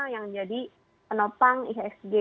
yang jadi penopang ihsg